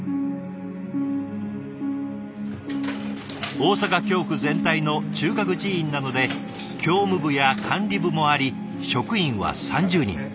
大阪教区全体の中核寺院なので教務部や管理部もあり職員は３０人。